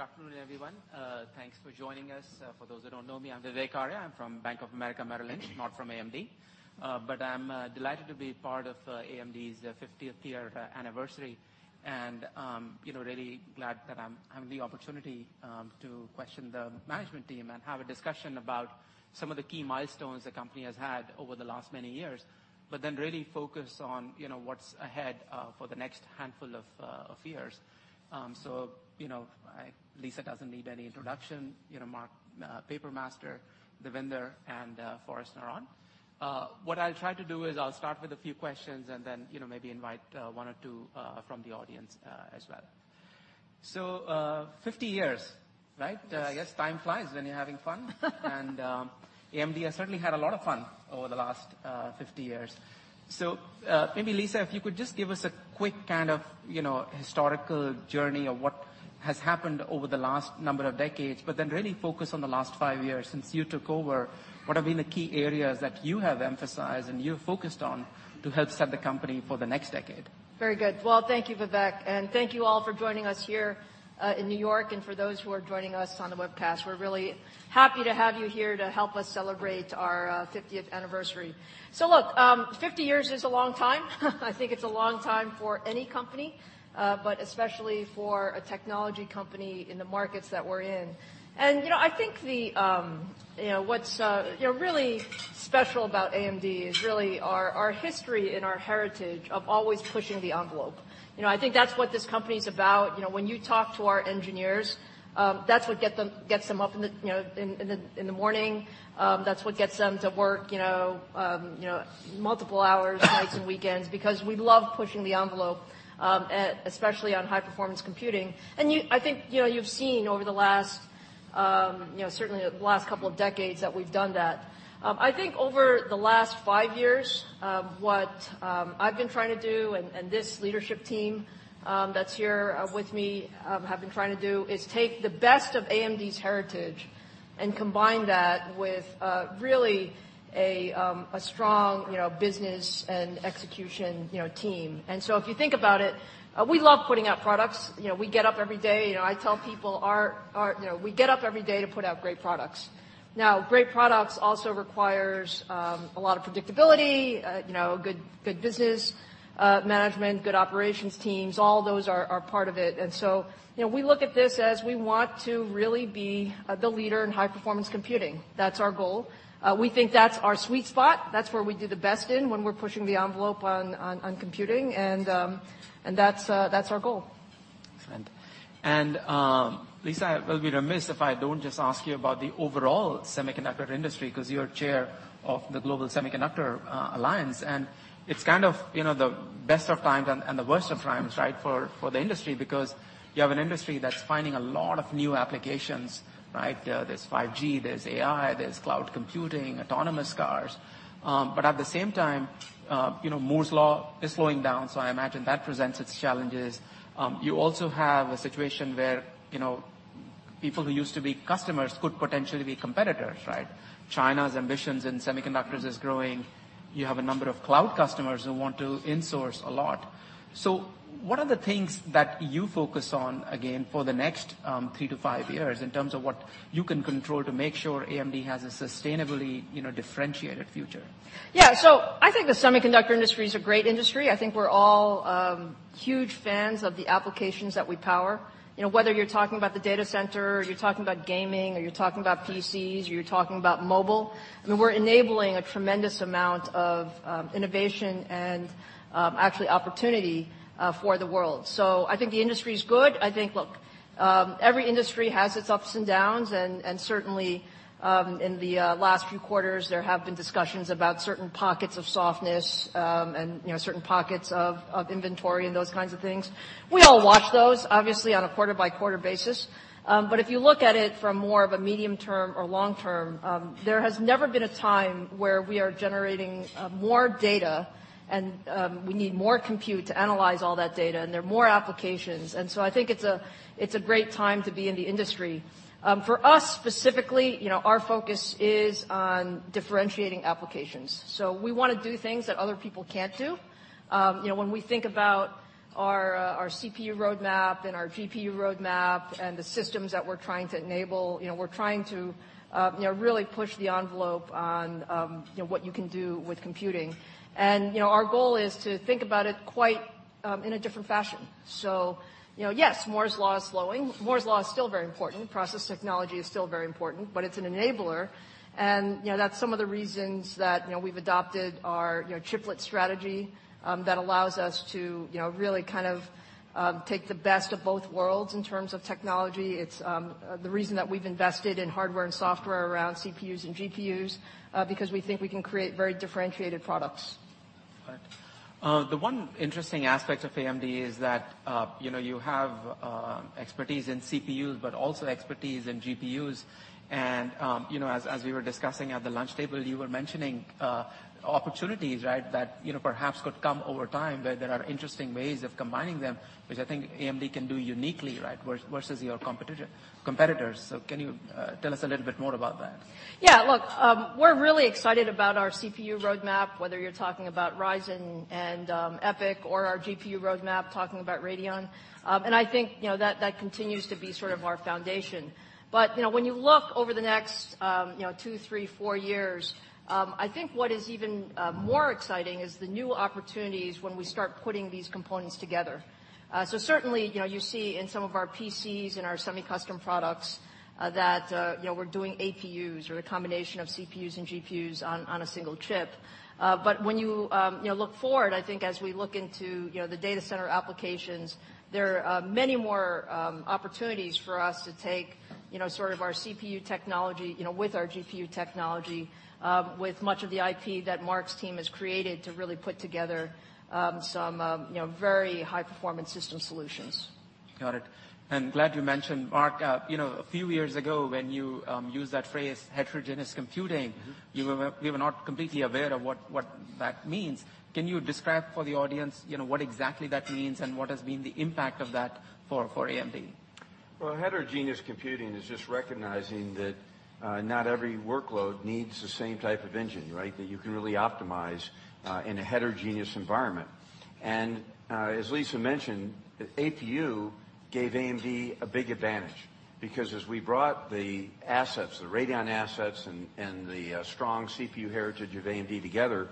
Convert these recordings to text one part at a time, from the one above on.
Good afternoon, everyone. Thanks for joining us. For those that don't know me, I'm Vivek Arya. I'm from Bank of America Merrill Lynch, not from AMD. I'm delighted to be part of AMD's 50th year anniversary and really glad that I'm having the opportunity to question the management team and have a discussion about some of the key milestones the company has had over the last many years, but then really focus on what's ahead for the next handful of years. Lisa doesn't need any introduction. Mark Papermaster, Devinder and Forrest are on. What I'll try to do is I'll start with a few questions and then maybe invite one or two from the audience as well. 50 years, right? Yes. I guess time flies when you're having fun. AMD has certainly had a lot of fun over the last 50 years. Maybe Lisa, if you could just give us a quick historical journey of what has happened over the last number of decades, but then really focus on the last five years since you took over. What have been the key areas that you have emphasized and you've focused on to help set the company for the next decade? Very good. Thank you, Vivek, and thank you all for joining us here in New York and for those who are joining us on the webcast. We're really happy to have you here to help us celebrate our 50th anniversary. Look, 50 years is a long time. I think it's a long time for any company, but especially for a technology company in the markets that we're in. I think what's really special about AMD is really our history and our heritage of always pushing the envelope. I think that's what this company's about. When you talk to our engineers, that's what gets them up in the morning, that's what gets them to work multiple hours, nights and weekends, because we love pushing the envelope, especially on high-performance computing. I think you've seen over certainly the last couple of decades that we've done that. I think over the last five years, what I've been trying to do and this leadership team that's here with me have been trying to do is take the best of AMD's heritage and combine that with really a strong business and execution team. If you think about it, we love putting out products. We get up every day. I tell people we get up every day to put out great products. Now, great products also requires a lot of predictability, good business management, good operations teams. All those are part of it. We look at this as we want to really be the leader in high-performance computing. That's our goal. We think that's our sweet spot. That's where we do the best in when we're pushing the envelope on computing and that's our goal. Excellent. Lisa, I will be remiss if I don't just ask you about the overall semiconductor industry because you're chair of the Global Semiconductor Alliance, and it's kind of the best of times and the worst of times for the industry because you have an industry that's finding a lot of new applications. There's 5G, there's AI, there's cloud computing, autonomous cars. At the same time, Moore's Law is slowing down, so I imagine that presents its challenges. You also have a situation where people who used to be customers could potentially be competitors. China's ambitions in semiconductors is growing. You have a number of cloud customers who want to insource a lot. What are the things that you focus on, again, for the next three to five years in terms of what you can control to make sure AMD has a sustainably differentiated future? Yeah. I think the semiconductor industry is a great industry. I think we're all huge fans of the applications that we power. Whether you're talking about the data center or you're talking about gaming or you're talking about PCs or you're talking about mobile, we're enabling a tremendous amount of innovation and actually opportunity for the world. I think the industry is good. I think, look, every industry has its ups and downs, and certainly, in the last few quarters, there have been discussions about certain pockets of softness, and certain pockets of inventory and those kinds of things. We all watch those, obviously, on a quarter-by-quarter basis. If you look at it from more of a medium term or long term, there has never been a time where we are generating more data and we need more compute to analyze all that data, and there are more applications. I think it's a great time to be in the industry. For us specifically, our focus is on differentiating applications. We want to do things that other people can't do. When we think about our CPU roadmap and our GPU roadmap and the systems that we're trying to enable, we're trying to really push the envelope on what you can do with computing. Our goal is to think about it quite in a different fashion. Yes, Moore's Law is slowing. Moore's Law is still very important. Process technology is still very important, but it's an enabler. That's some of the reasons that we've adopted our chiplet strategy that allows us to really take the best of both worlds in terms of technology. It's the reason that we've invested in hardware and software around CPUs and GPUs, because we think we can create very differentiated products. The one interesting aspect of AMD is that you have expertise in CPUs, also expertise in GPUs. As we were discussing at the lunch table, you were mentioning opportunities that perhaps could come over time, where there are interesting ways of combining them, which I think AMD can do uniquely versus your competitors. Can you tell us a little bit more about that? Yeah. Look, we're really excited about our CPU roadmap, whether you're talking about Ryzen and EPYC or our GPU roadmap, talking about Radeon. I think that continues to be sort of our foundation. When you look over the next two, three, four years, I think what is even more exciting is the new opportunities when we start putting these components together. Certainly, you see in some of our PCs and our semi-custom products that we're doing APUs or a combination of CPUs and GPUs on a single chip. When you look forward, I think as we look into the data center applications, there are many more opportunities for us to take our CPU technology with our GPU technology with much of the IP that Mark's team has created to really put together some very high-performance system solutions. Got it. Glad you mentioned Mark. A few years ago, when you used that phrase heterogeneous computing. we were not completely aware of what that means. Can you describe for the audience what exactly that means and what has been the impact of that for AMD? Well, heterogeneous computing is just recognizing that not every workload needs the same type of engine. That you can really optimize in a heterogeneous environment. As Lisa mentioned, APU gave AMD a big advantage because as we brought the assets, the Radeon assets, and the strong CPU heritage of AMD together,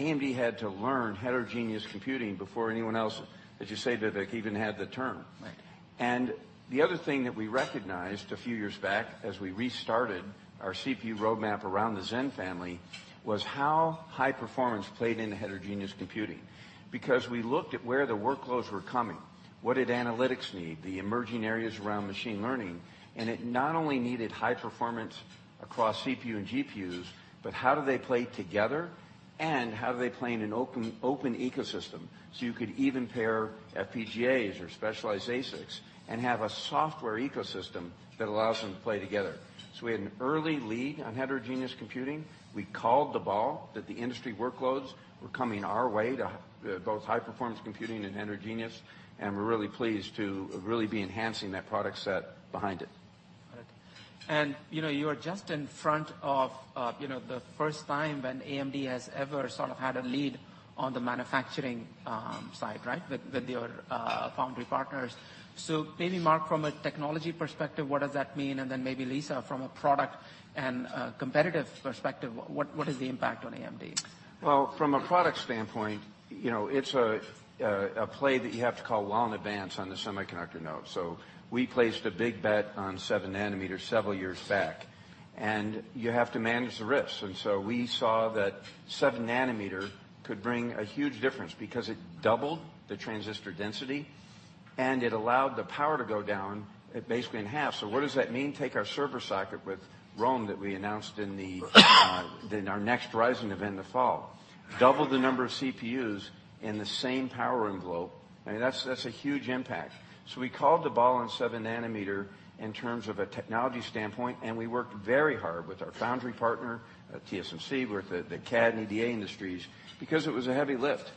AMD had to learn heterogeneous computing before anyone else, as you say, Vivek, even had the term. Right. The other thing that we recognized a few years back as we restarted our CPU roadmap around the Zen family was how high performance played into heterogeneous computing. We looked at where the workloads were coming, what did analytics need, the emerging areas around machine learning, and it not only needed high performance across CPU and GPUs, but how do they play together and how do they play in an open ecosystem so you could even pair FPGAs or specialized ASICs and have a software ecosystem that allows them to play together. We had an early lead on heterogeneous computing. We called the ball that the industry workloads were coming our way to both high-performance computing and heterogeneous, and we're really pleased to really be enhancing that product set behind it. Got it. You are just in front of the first time when AMD has ever sort of had a lead on the manufacturing side with your foundry partners. Maybe Mark, from a technology perspective, what does that mean? Then maybe Lisa, from a product and competitive perspective, what is the impact on AMD? Well, from a product standpoint, it's a play that you have to call well in advance on the semiconductor node. We placed a big bet on 7 nm several years back, and you have to manage the risks. We saw that 7 nm could bring a huge difference because it doubled the transistor density, and it allowed the power to go down basically in half. What does that mean? Take our server socket with Rome that we announced in our Next Horizon event in the fall. Doubled the number of CPUs in the same power envelope. I mean, that's a huge impact. We called the ball on 7 nm in terms of a technology standpoint, and we worked very hard with our foundry partner at TSMC, with the CAD and EDA industries, because it was a heavy lift.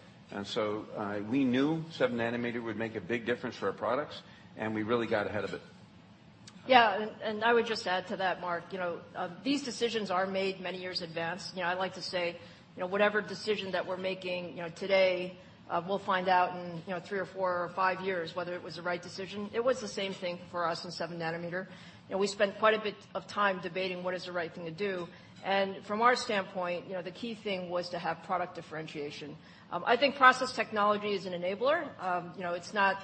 We knew 7nm would make a big difference for our products, and we really got ahead of it. Yeah. I would just add to that, Mark, these decisions are made many years advance. I like to say, whatever decision that we're making today, we'll find out in three or four or five years whether it was the right decision. It was the same thing for us in 7nm. We spent quite a bit of time debating what is the right thing to do. From our standpoint, the key thing was to have product differentiation. I think process technology is an enabler. It's not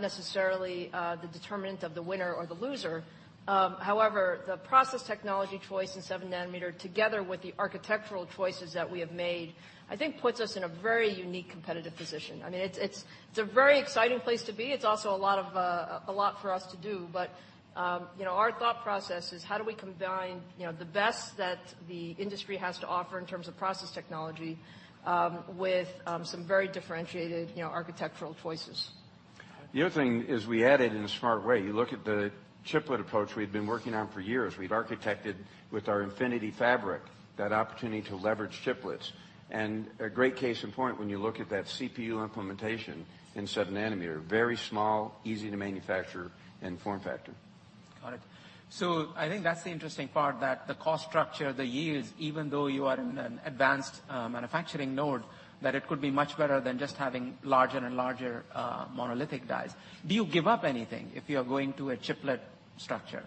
necessarily the determinant of the winner or the loser. However, the process technology choice in 7nm together with the architectural choices that we have made, I think puts us in a very unique competitive position. I mean, it's a very exciting place to be. It's also a lot for us to do, our thought process is how do we combine the best that the industry has to offer in terms of process technology, with some very differentiated architectural choices. The other thing is we added in a smart way. You look at the chiplet approach we've been working on for years. We've architected with our Infinity Fabric that opportunity to leverage chiplets. A great case in point, when you look at that CPU implementation in 7nm, very small, easy to manufacture, and form factor. Got it. I think that's the interesting part, that the cost structure, the yields, even though you are in an advanced manufacturing node, that it could be much better than just having larger and larger monolithic dies. Do you give up anything if you're going to a chiplet structure?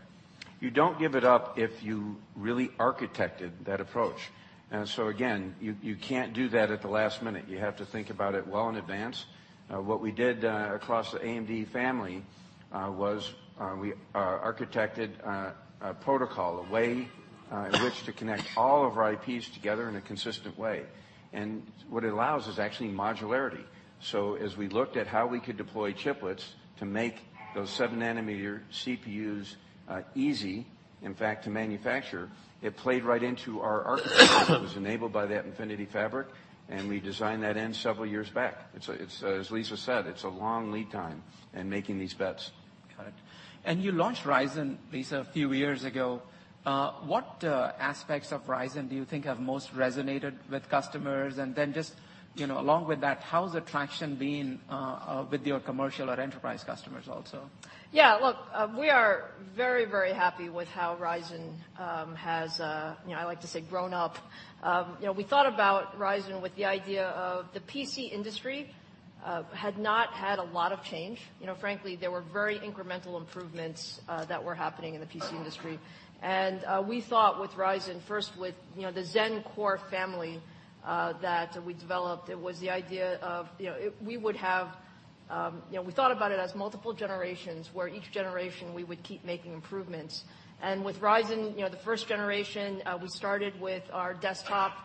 You don't give it up if you really architected that approach. Again, you can't do that at the last minute. You have to think about it well in advance. What we did across the AMD family, was we architected a protocol, a way in which to connect all of our IPs together in a consistent way. What it allows is actually modularity. As we looked at how we could deploy chiplets to make those seven-nanometer CPUs easy, in fact, to manufacture. It played right into our architecture that was enabled by that Infinity Fabric, and we designed that in several years back. As Lisa said, it's a long lead time in making these bets. Got it. You launched Ryzen, Lisa, a few years ago. What aspects of Ryzen do you think have most resonated with customers? Just along with that, how has the traction been with your commercial or enterprise customers also? Yeah. Look, we are very happy with how Ryzen has, I like to say, grown up. We thought about Ryzen with the idea of the PC industry had not had a lot of change. Frankly, there were very incremental improvements that were happening in the PC industry. We thought with Ryzen, first with the Zen core family that we developed, it was the idea of we thought about it as multiple generations, where each generation we would keep making improvements. With Ryzen, the first generation, we started with our desktop,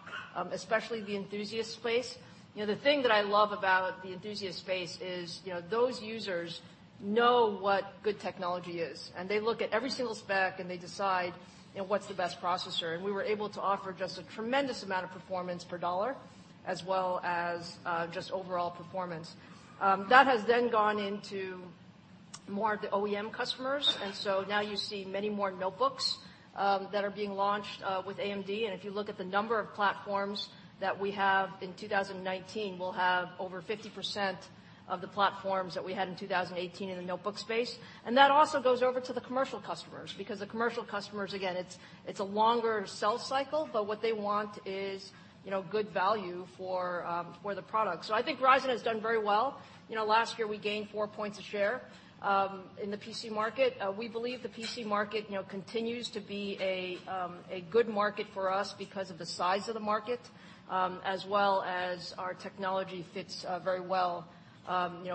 especially the enthusiast space. The thing that I love about the enthusiast space is those users know what good technology is, and they look at every single spec, and they decide what's the best processor. We were able to offer just a tremendous amount of performance per dollar, as well as just overall performance. That has then gone into more of the OEM customers. Now you see many more notebooks that are being launched with AMD. If you look at the number of platforms that we have, in 2019, we will have over 50% of the platforms that we had in 2018 in the notebook space. That also goes over to the commercial customers, because the commercial customers, again, it's a longer sales cycle, but what they want is good value for the product. I think Ryzen has done very well. Last year, we gained four points of share in the PC market. We believe the PC market continues to be a good market for us because of the size of the market, as well as our technology fits very well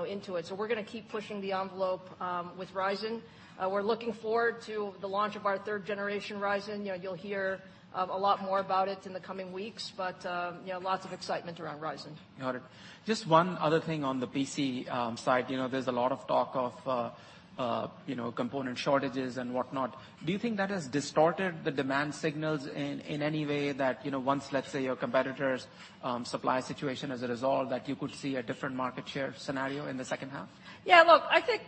into it. We are going to keep pushing the envelope with Ryzen. We're looking forward to the launch of our third generation Ryzen. You'll hear a lot more about it in the coming weeks, lots of excitement around Ryzen. Got it. Just one other thing on the PC side. There's a lot of talk of component shortages and whatnot. Do you think that has distorted the demand signals in any way that once, let's say, your competitor's supply situation is resolved, that you could see a different market share scenario in the second half? Yeah, look, I think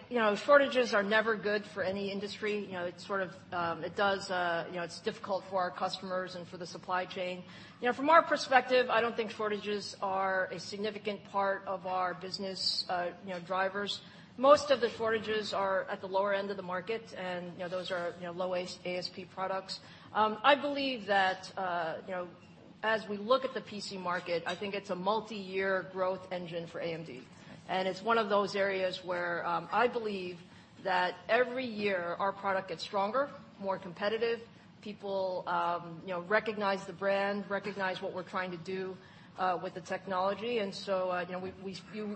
shortages are never good for any industry. It's difficult for our customers and for the supply chain. From our perspective, I don't think shortages are a significant part of our business drivers. Most of the shortages are at the lower end of the market, and those are low ASP products. I believe that as we look at the PC market, I think it's a multi-year growth engine for AMD. I see. It's one of those areas where I believe that every year our product gets stronger, more competitive. People recognize the brand, recognize what we're trying to do with the technology.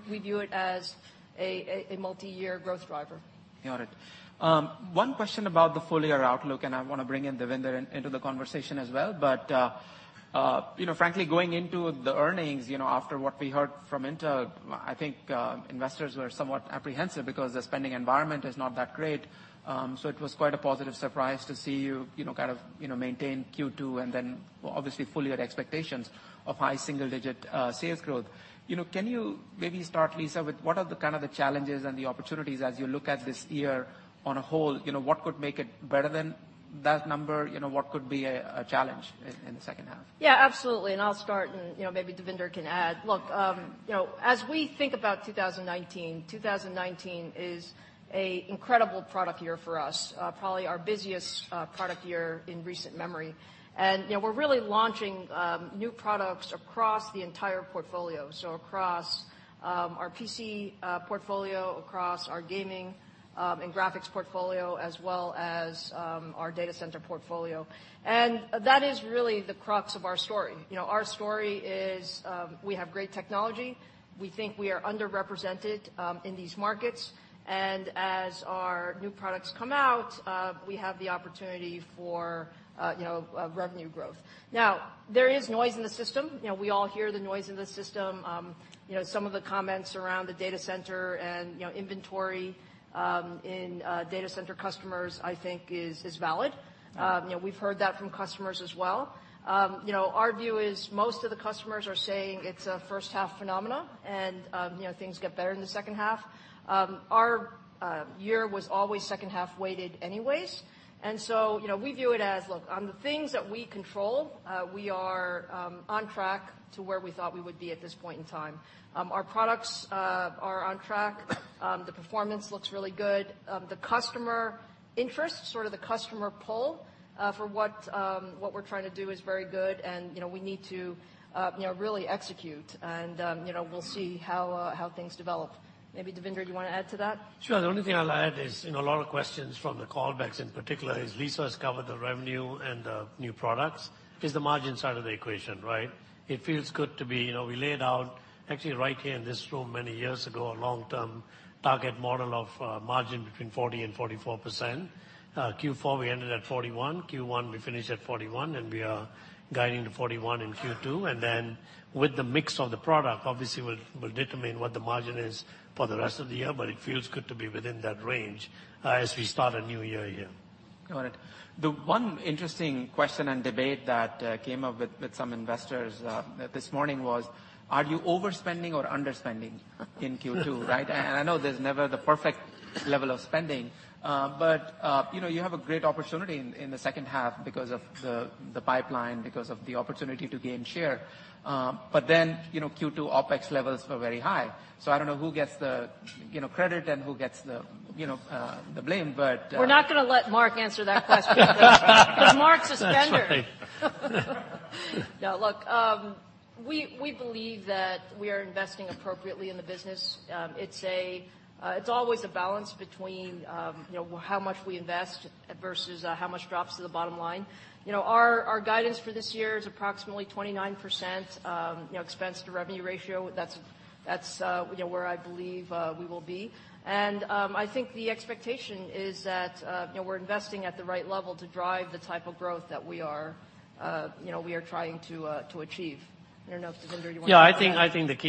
We view it as a multi-year growth driver. Got it. One question about the full-year outlook. I want to bring in Devinder into the conversation as well. Frankly, going into the earnings, after what we heard from Intel, I think investors were somewhat apprehensive because the spending environment is not that great. It was quite a positive surprise to see you kind of maintain Q2 and then obviously full-year expectations of high single-digit sales growth. Can you maybe start, Lisa, with what are the kind of the challenges and the opportunities as you look at this year on a whole? What could make it better than that number? What could be a challenge in the second half? Yeah, absolutely. I'll start and maybe Devinder can add. Look, as we think about 2019 is an incredible product year for us, probably our busiest product year in recent memory. We're really launching new products across the entire portfolio, so across our PC portfolio, across our gaming and graphics portfolio, as well as our data center portfolio. That is really the crux of our story. Our story is we have great technology. We think we are underrepresented in these markets. As our new products come out, we have the opportunity for revenue growth. Now, there is noise in the system. We all hear the noise in the system. Some of the comments around the data center and inventory in data center customers, I think is valid. Yeah. We've heard that from customers as well. Our view is most of the customers are saying it's a first half phenomena, and things get better in the second half. Our year was always second half weighted anyways. We view it as, look, on the things that we control, we are on track to where we thought we would be at this point in time. Our products are on track. The performance looks really good. The customer interest, sort of the customer pull for what we're trying to do is very good and we need to really execute, and we'll see how things develop. Maybe Devinder, do you want to add to that? Sure. The only thing I'll add is a lot of questions from the callbacks in particular, as Lisa has covered the revenue and the new products, is the margin side of the equation, right? It feels good to be. We laid out, actually right here in this room many years ago, a long-term target model of margin between 40% and 44%. Q4, we ended at 41. Q1, we finished at 41, and we are guiding to 41 in Q2, and then with the mix of the product, obviously, will determine what the margin is for the rest of the year, but it feels good to be within that range as we start a new year here. Got it. The one interesting question and debate that came up with some investors this morning was, are you overspending or underspending in Q2, right? I know there's never the perfect level of spending, but you have a great opportunity in the second half because of the pipeline, because of the opportunity to gain share. Q2 OPEX levels were very high. I don't know who gets the credit and who gets the blame. We're not going to let Mark answer that question. Mark's a spender. That's right. Look, we believe that we are investing appropriately in the business. It's always a balance between how much we invest versus how much drops to the bottom line. Our guidance for this year is approximately 29% expense to revenue ratio. That's where I believe we will be. I think the expectation is that we're investing at the right level to drive the type of growth that we are trying to achieve. I don't know if, Devinder, you want to-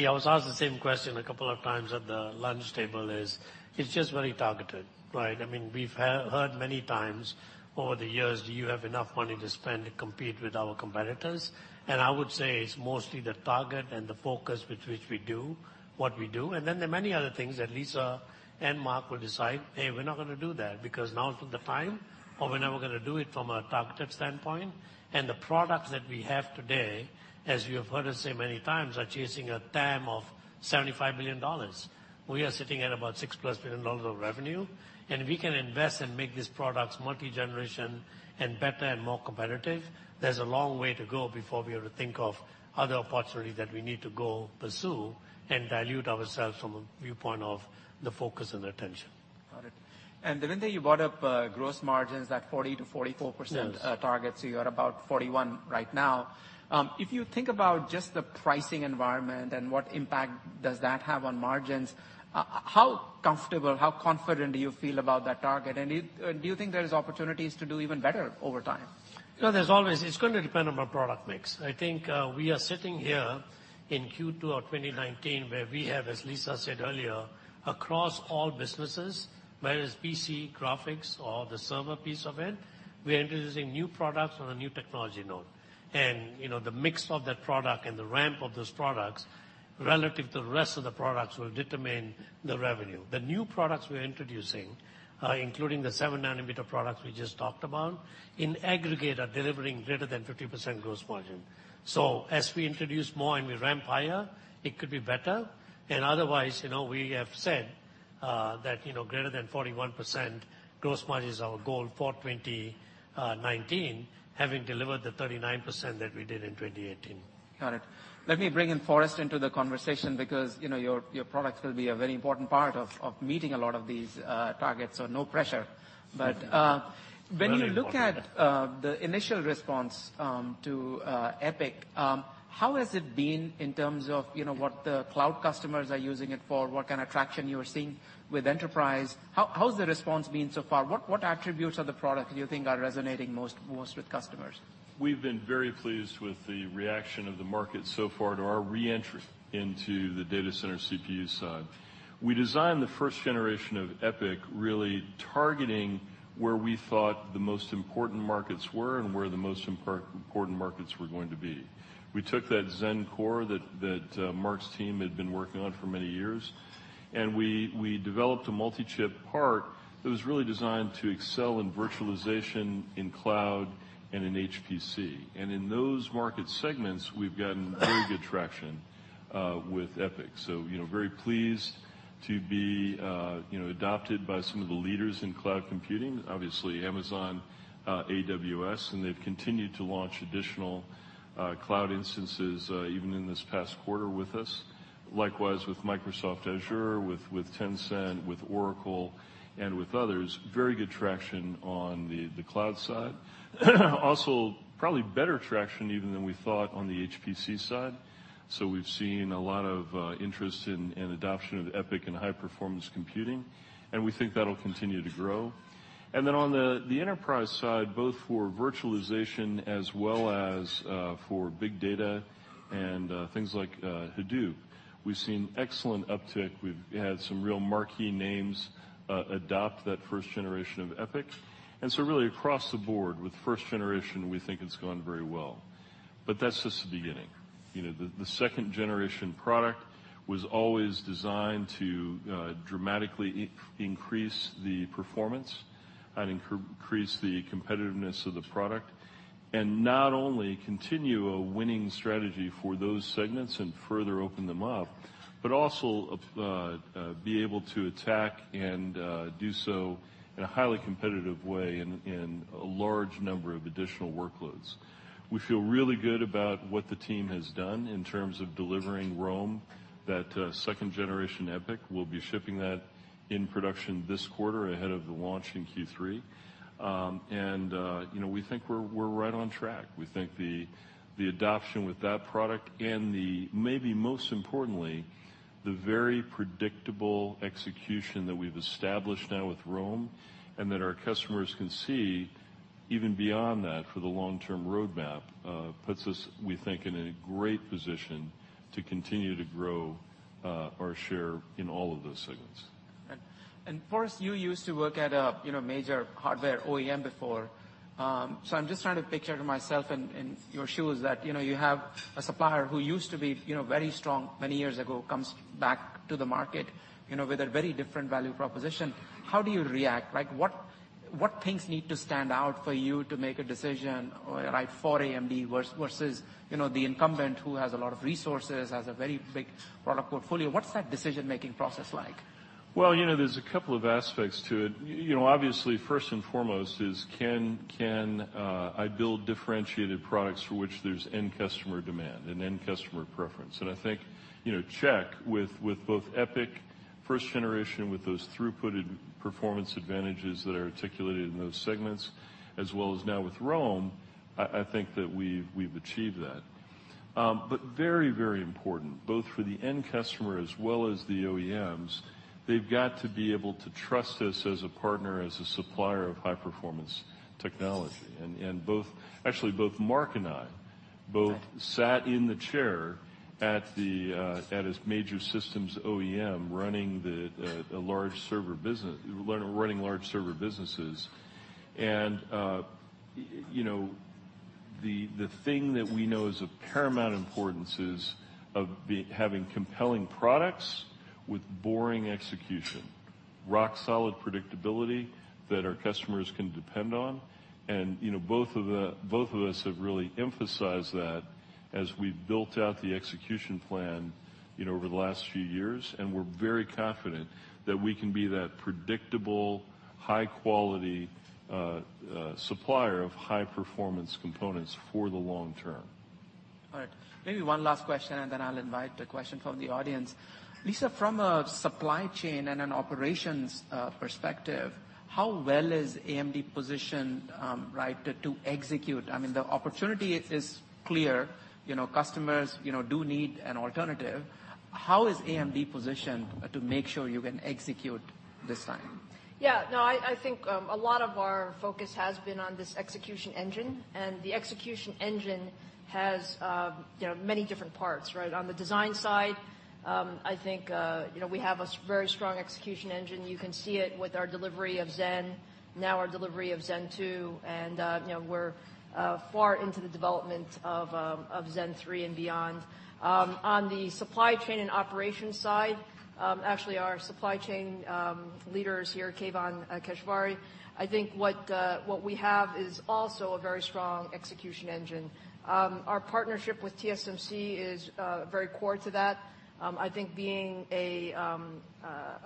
I was asked the same question a couple of times at the lunch table is, it's just very targeted, right? We've heard many times over the years, do you have enough money to spend to compete with our competitors? I would say it's mostly the target and the focus with which we do what we do. There are many other things that Lisa and Mark will decide, "Hey, we're not going to do that because now is not the time, or we're not going to do it from a targeted standpoint." The products that we have today, as you have heard us say many times, are chasing a TAM of $75 billion. We are sitting at about $6-plus billion of revenue, we can invest and make these products multi-generation and better and more competitive. There's a long way to go before we ever think of other opportunities that we need to go pursue and dilute ourselves from a viewpoint of the focus and attention. Got it. Devinder, you brought up gross margins at 40%-44% targets. Yes. You are about 41% right now. If you think about just the pricing environment and what impact does that have on margins, how comfortable, how confident do you feel about that target? Do you think there's opportunities to do even better over time? It's going to depend on our product mix. I think we are sitting here in Q2 of 2019, where we have, as Lisa said earlier, across all businesses, whether it's PC, graphics, or the server piece of it, we're introducing new products on a new technology node. The mix of that product and the ramp of those products relative to the rest of the products will determine the revenue. The new products we're introducing, including the seven nanometer products we just talked about, in aggregate, are delivering greater than 50% gross margin. As we introduce more and we ramp higher, it could be better. Otherwise, we have said that greater than 41% gross margin is our goal for 2019, having delivered the 39% that we did in 2018. Got it. Let me bring in Forrest into the conversation because your products will be a very important part of meeting a lot of these targets, so no pressure. Very important. When you look at the initial response to EPYC, how has it been in terms of what the cloud customers are using it for, what kind of traction you are seeing with enterprise? How has the response been so far? What attributes of the product do you think are resonating most with customers? We've been very pleased with the reaction of the market so far to our re-entry into the data center CPU side. We designed the first generation of EPYC really targeting where we thought the most important markets were and where the most important markets were going to be. We took that Zen core that Mark's team had been working on for many years, and we developed a multi-chip part that was really designed to excel in virtualization, in cloud, and in HPC. In those market segments, we've gotten very good traction with EPYC. Very pleased to be adopted by some of the leaders in cloud computing, obviously Amazon AWS, and they've continued to launch additional cloud instances even in this past quarter with us. Likewise with Microsoft Azure, with Tencent, with Oracle, and with others, very good traction on the cloud side. Probably better traction even than we thought on the HPC side. We've seen a lot of interest in adoption of EPYC in high-performance computing, and we think that'll continue to grow. On the enterprise side, both for virtualization as well as for big data and things like Hadoop, we've seen excellent uptick. We've had some real marquee names adopt that first generation of EPYC. Really across the board with first generation, we think it's gone very well. That's just the beginning. The 2nd-generation product was always designed to dramatically increase the performance and increase the competitiveness of the product, not only continue a winning strategy for those segments and further open them up, but also be able to attack and do so in a highly competitive way in a large number of additional workloads. We feel really good about what the team has done in terms of delivering Rome, that 2nd-generation EPYC. We'll be shipping that in production this quarter ahead of the launch in Q3. We think we're right on track. We think the adoption with that product and maybe most importantly, the very predictable execution that we've established now with Rome and that our customers can see, even beyond that for the long-term roadmap, puts us, we think, in a great position to continue to grow our share in all of those segments. Right. Forrest, you used to work at a major hardware OEM before. I'm just trying to picture myself in your shoes that you have a supplier who used to be very strong many years ago, comes back to the market, with a very different value proposition. How do you react? What things need to stand out for you to make a decision, or for AMD versus the incumbent who has a lot of resources, has a very big product portfolio. What's that decision-making process like? Well, there's a couple of aspects to it. Obviously, first and foremost is can I build differentiated products for which there's end customer demand and end customer preference? I think, check with both EPYC first generation, with those throughputed performance advantages that are articulated in those segments, as well as now with Rome, I think that we've achieved that. Very important, both for the end customer as well as the OEMs, they've got to be able to trust us as a partner, as a supplier of high-performance technology. Actually, both Mark and I, both sat in the chair at a major systems OEM running large server businesses. The thing that we know is of paramount importance is of having compelling products with boring execution. Rock solid predictability that our customers can depend on. Both of us have really emphasized that as we've built out the execution plan over the last few years. We're very confident that we can be that predictable, high-quality supplier of high-performance components for the long term. All right. Maybe one last question, then I'll invite a question from the audience. Lisa, from a supply chain and an operations perspective, how well is AMD positioned to execute? The opportunity is clear. Customers do need an alternative. How is AMD positioned to make sure you can execute this time? Yeah. I think a lot of our focus has been on this execution engine, the execution engine has many different parts. On the design side, I think we have a very strong execution engine. You can see it with our delivery of Zen, now our delivery of Zen 2, we're far into the development of Zen 3 and beyond. On the supply chain and operations side, actually our supply chain leaders here, Keivan Keshvari, I think what we have is also a very strong execution engine. Our partnership with TSMC is very core to that. I think being a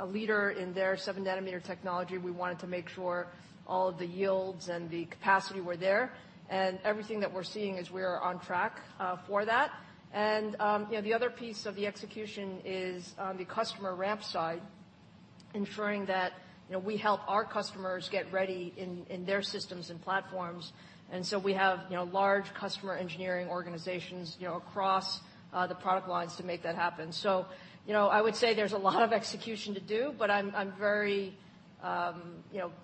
leader in their seven nanometer technology, we wanted to make sure all of the yields and the capacity were there, everything that we're seeing is we're on track for that. The other piece of the execution is on the customer ramp side, ensuring that we help our customers get ready in their systems and platforms. We have large customer engineering organizations across the product lines to make that happen. I would say there's a lot of execution to do, but I'm very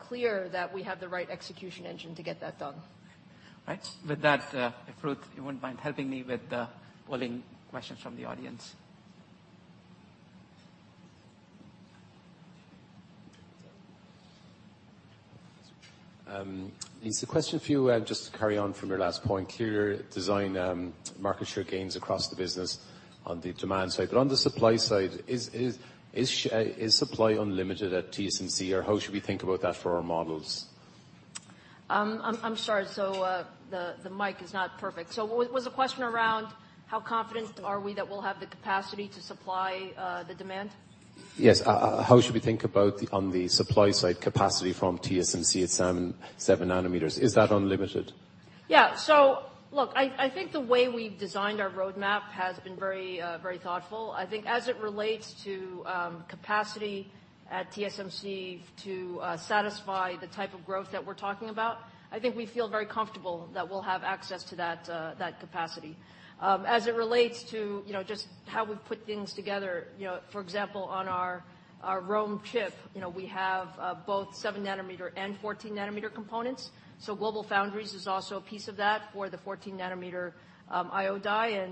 clear that we have the right execution engine to get that done. Right. With that, if Ruth, you wouldn't mind helping me with pulling questions from the audience. Lisa, question for you, just to carry on from your last point. Clear design market share gains across the business on the demand side. On the supply side, is supply unlimited at TSMC, or how should we think about that for our models? I'm sorry. The mic is not perfect. Was the question around how confident are we that we'll have the capacity to supply the demand? Yes. How should we think about on the supply side capacity from TSMC at seven nanometers? Is that unlimited? Look, I think the way we've designed our roadmap has been very thoughtful. I think as it relates to capacity at TSMC to satisfy the type of growth that we're talking about, I think we feel very comfortable that we'll have access to that capacity. As it relates to just how we've put things together, for example, on our Rome chip, we have both seven nanometer and 14 nanometer components. GlobalFoundries is also a piece of that for the 14 nanometer I/O die.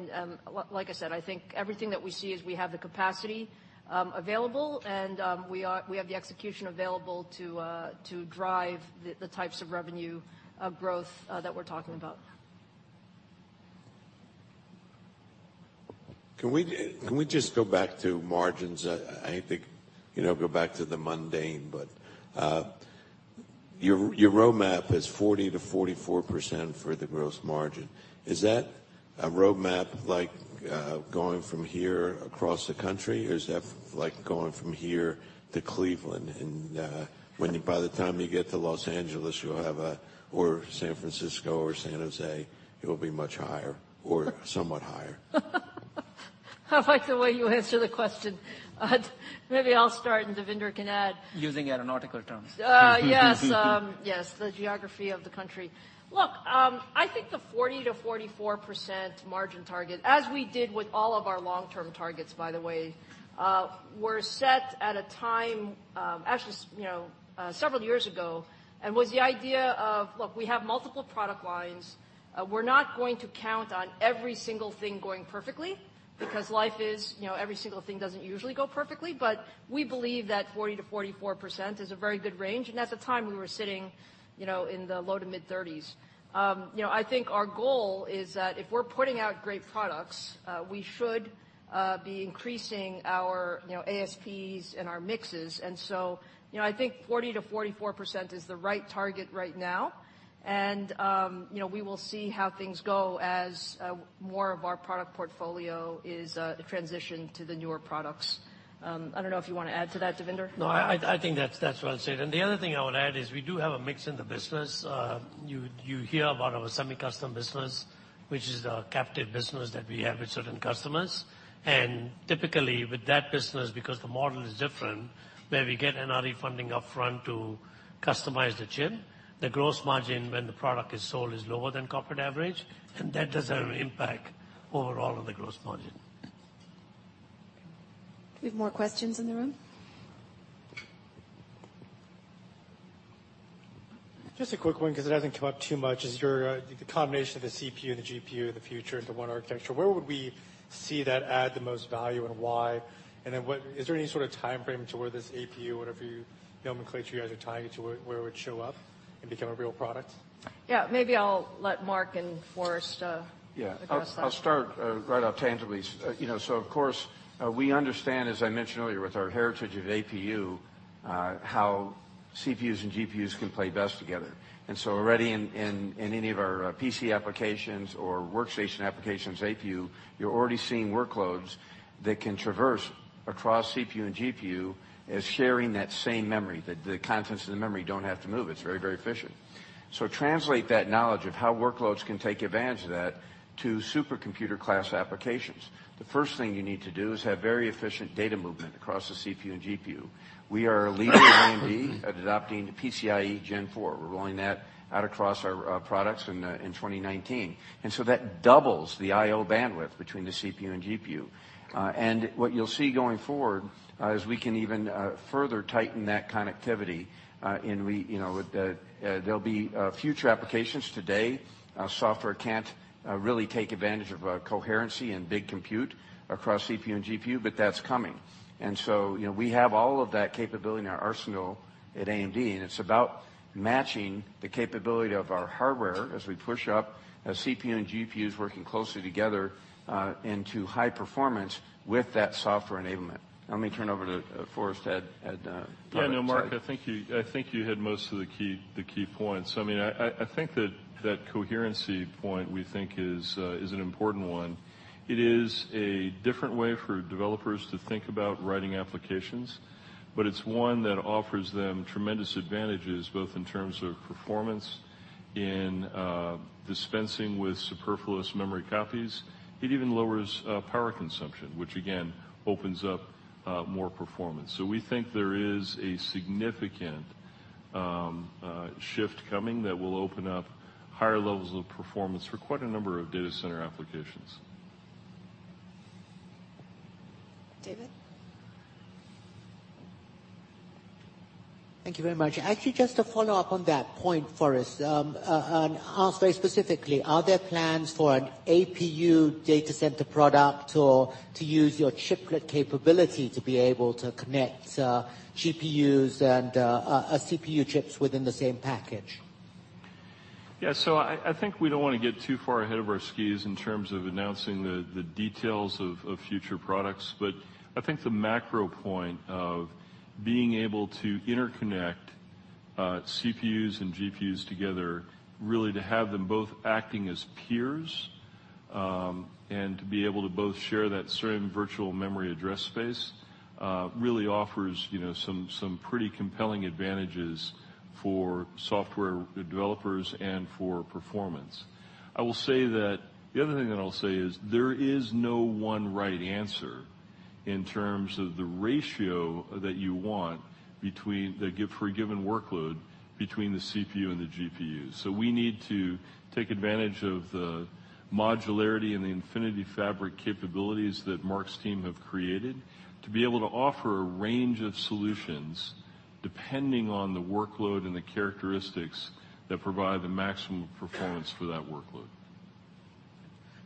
Like I said, I think everything that we see is we have the capacity available, and we have the execution available to drive the types of revenue growth that we're talking about. Can we just go back to margins? I hate to go back to the mundane. Your roadmap is 40%-44% for the gross margin. Is that a roadmap like going from here across the country, or is that like going from here to Cleveland and by the time you get to Los Angeles or San Francisco or San Jose, it will be much higher or somewhat higher? I like the way you answer the question. Maybe I'll start and Devinder can add. Using aeronautical terms. Yes. The geography of the country. Look, I think the 40%-44% margin target, as we did with all of our long-term targets, by the way, were set at a time, actually several years ago, and was the idea of, look, we have multiple product lines. We're not going to count on every single thing going perfectly because life is, every single thing doesn't usually go perfectly. We believe that 40%-44% is a very good range, and at the time, we were sitting in the low to mid-30s. I think our goal is that if we're putting out great products, we should be increasing our ASPs and our mixes. I think 40%-44% is the right target right now. We will see how things go as more of our product portfolio is transitioned to the newer products. I don't know if you want to add to that, Devinder? No, I think that's well said. The other thing I would add is we do have a mix in the business. You hear about our semi-custom business, which is a captive business that we have with certain customers. Typically with that business, because the model is different, where we get NRE funding upfront to customize the chip, the gross margin when the product is sold is lower than corporate average, and that does have an impact overall on the gross margin. Do we have more questions in the room? Just a quick one because it hasn't come up too much is your, the combination of the CPU and the GPU in the future into one architecture. Where would we see that add the most value and why? Is there any sort of timeframe to where this APU, whatever nomenclature you guys are tying it to, where it would show up and become a real product? Yeah, maybe I'll let Mark and Forrest address that. Yeah. I'll start right off tangibly. Of course, we understand, as I mentioned earlier, with our heritage of APU, how CPUs and GPUs can play best together. Already in any of our PC applications or workstation applications APU, you're already seeing workloads that can traverse across CPU and GPU as sharing that same memory. The contents of the memory don't have to move. It's very efficient. Translate that knowledge of how workloads can take advantage of that to supercomputer class applications. The first thing you need to do is have very efficient data movement across the CPU and GPU. We are a leader at AMD at adopting PCIe Gen4. We're rolling that out across our products in 2019. That doubles the I/O bandwidth between the CPU and GPU. What you'll see going forward is we can even further tighten that connectivity. There'll be future applications today. Software can't really take advantage of coherency and big compute across CPU and GPU, but that's coming. We have all of that capability in our arsenal at AMD, and it's about matching the capability of our hardware as we push up CPU and GPUs working closely together, into high performance with that software enablement. Let me turn over to Forrest for that. No, Mark, I think you had most of the key points. I think that coherency point we think is an important one. It is a different way for developers to think about writing applications, but it's one that offers them tremendous advantages, both in terms of performance, in dispensing with superfluous memory copies. It even lowers power consumption, which again opens up more performance. We think there is a significant shift coming that will open up higher levels of performance for quite a number of data center applications. David? Thank you very much. Actually, just to follow up on that point, Forrest, and ask very specifically, are there plans for an APU data center product or to use your chiplet capability to be able to connect GPUs and CPU chips within the same package? Yeah. I think we don't want to get too far ahead of our skis in terms of announcing the details of future products. I think the macro point of being able to interconnect CPUs and GPUs together, really to have them both acting as peers, and to be able to both share that certain virtual memory address space, really offers some pretty compelling advantages for software developers and for performance. The other thing that I'll say is there is no one right answer in terms of the ratio that you want for a given workload between the CPU and the GPU. We need to take advantage of the modularity and the Infinity Fabric capabilities that Mark's team have created to be able to offer a range of solutions depending on the workload and the characteristics that provide the maximum performance for that workload.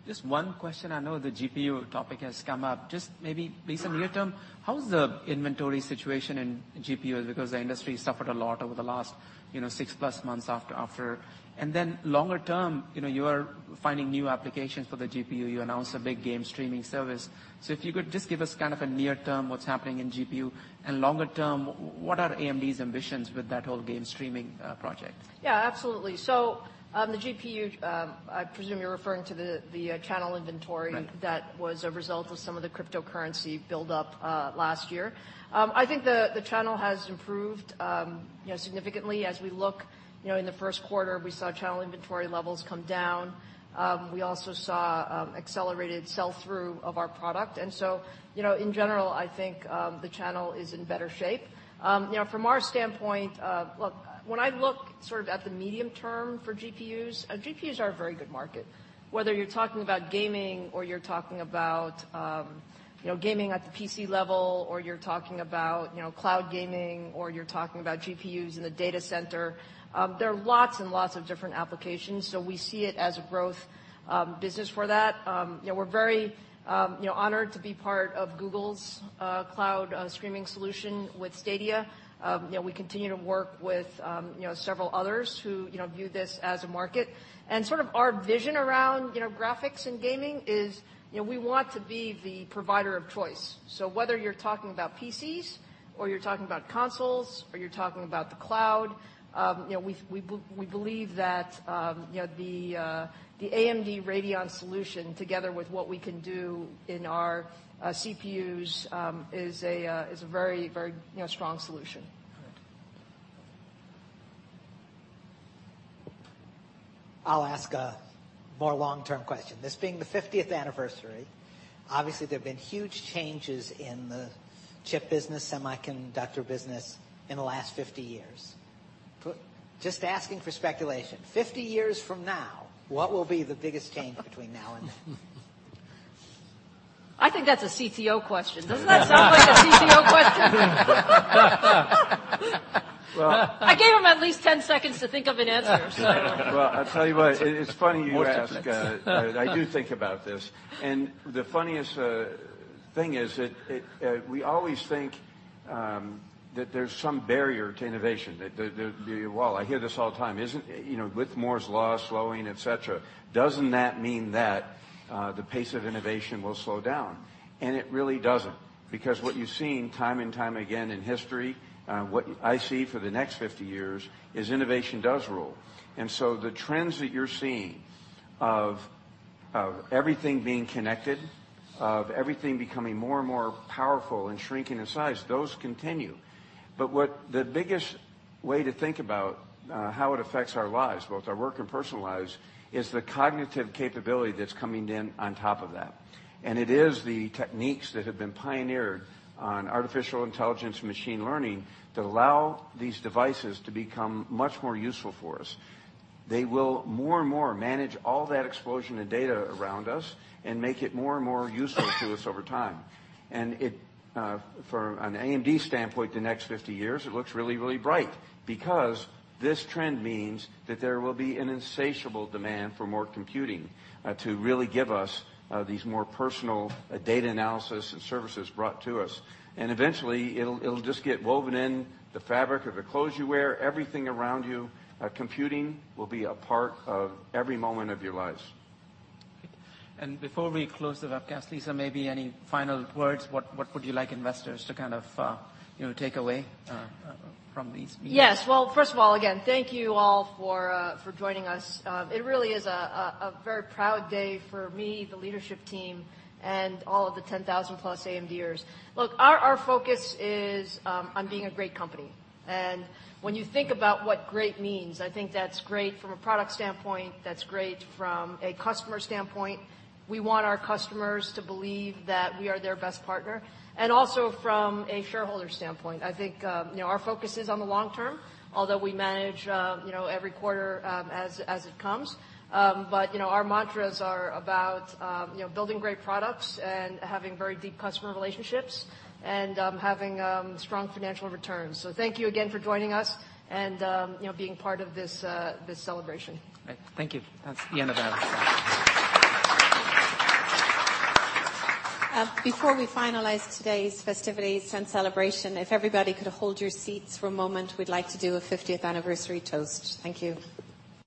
Just one question. I know the GPU topic has come up. Just maybe, Lisa, near term, how's the inventory situation in GPUs? Because the industry suffered a lot over the last six-plus months after. Longer term, you are finding new applications for the GPU. You announced a big game streaming service. If you could just give us kind of a near term what's happening in GPU, and longer term, what are AMD's ambitions with that whole game streaming project? Yeah, absolutely. The GPU, I presume you're referring to the channel inventory- Right That was a result of some of the cryptocurrency build-up last year. I think the channel has improved significantly. As we look in the first quarter, we saw channel inventory levels come down. We also saw accelerated sell-through of our product. In general, I think the channel is in better shape. From our standpoint, when I look sort of at the medium term for GPUs are a very good market. Whether you're talking about gaming or you're talking about gaming at the PC level or you're talking about cloud gaming or you're talking about GPUs in the data center, there are lots and lots of different applications. We see it as a growth business for that. We're very honored to be part of Google's cloud streaming solution with Stadia. We continue to work with several others who view this as a market. Sort of our vision around graphics and gaming is we want to be the provider of choice. Whether you're talking about PCs or you're talking about consoles or you're talking about the cloud, we believe that the AMD Radeon solution together with what we can do in our CPUs is a very strong solution. Right. I'll ask a more long-term question. This being the 50th anniversary, obviously there've been huge changes in the chip business, semiconductor business in the last 50 years. Just asking for speculation, 50 years from now, what will be the biggest change between now and then? I think that's a CTO question. Doesn't that sound like a CTO question? Well- I gave him at least 10 seconds to think of an answer. Well, I'll tell you what, it's funny you ask. I do think about this. The funniest thing is that we always think that there's some barrier to innovation. Well, I hear this all the time. With Moore's Law slowing, et cetera, doesn't that mean that the pace of innovation will slow down? It really doesn't, because what you've seen time and time again in history, what I see for the next 50 years is innovation does rule. The trends that you're seeing of everything being connected, of everything becoming more and more powerful and shrinking in size, those continue. The biggest way to think about how it affects our lives, both our work and personal lives, is the cognitive capability that's coming in on top of that. It is the techniques that have been pioneered on artificial intelligence machine learning that allow these devices to become much more useful for us. They will more and more manage all that explosion of data around us and make it more and more useful to us over time. From an AMD standpoint, the next 50 years, it looks really, really bright because this trend means that there will be an insatiable demand for more computing, to really give us these more personal data analysis and services brought to us. Eventually, it'll just get woven in the fabric of the clothes you wear, everything around you. Computing will be a part of every moment of your lives. Okay. Before we close the webcast, Lisa, maybe any final words? What would you like investors to take away from these meetings? Well, first of all, again, thank you all for joining us. It really is a very proud day for me, the leadership team, and all of the 10,000-plus AMDers. Look, our focus is on being a great company. When you think about what great means, I think that's great from a product standpoint, that's great from a customer standpoint. We want our customers to believe that we are their best partner. Also from a shareholder standpoint. I think our focus is on the long term, although we manage every quarter as it comes. Our mantras are about building great products and having very deep customer relationships and having strong financial returns. Thank you again for joining us and being part of this celebration. Right. Thank you. That's the end of that. Before we finalize today's festivities and celebration, if everybody could hold your seats for a moment, we'd like to do a 50th anniversary toast. Thank you.